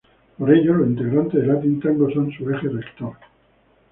Por ello, los integrantes de Latin Tango son su eje rector.